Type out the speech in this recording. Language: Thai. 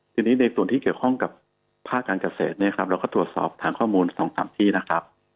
ทีนี้ในส่วนที่เกี่ยวข้องกับภาคการเกษตรเนี่ยครับเราก็ตรวจสอบฐานข้อมูล๒๓ที่นะครับ